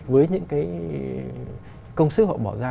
với những cái công sức của họ là một mươi triệu một tháng